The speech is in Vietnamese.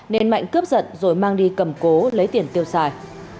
nên mạnh cướp giật rồi mang đi cầm cố lấy tiền tiêu xài